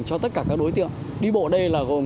cho tất cả các đối tượng đi bộ đây là gồm